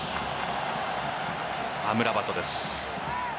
アムラバトです。